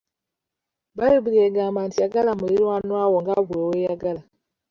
Bbayibuliya egamba nti yagala muliraanwa wo nga bwe weeyagala.